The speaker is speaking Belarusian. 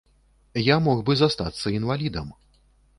Я мог бы застацца інвалідам.